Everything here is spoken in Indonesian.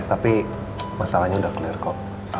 tapi masalahnya sudah clear kok